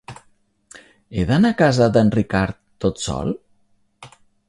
He d'anar a casa d'en Ricard tot sol?